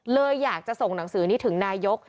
เลยอยากจะส่งหนังสือนี้ถึงนายก